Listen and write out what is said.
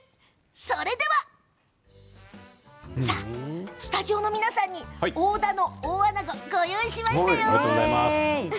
それではスタジオの皆さんに大田の大あなごご用意しましたよ。